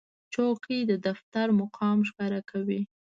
چوکۍ د دفتر مقام ښکاره کوي.